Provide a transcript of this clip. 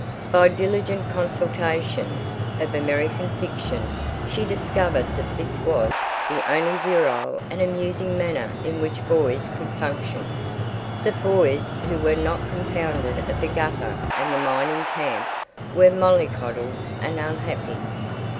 By diligent consultation of American fiction she discovered that this was the only virile and amusing manner in which boys could function; that boys who were not compounded of the gutter and the mining camp were mollycoddles and unhappy.